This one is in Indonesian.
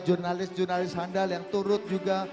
jurnalis jurnalis handal yang turut juga